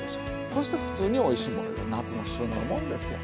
そしてふつうにおいしいものいうのは夏の旬のもんですよ。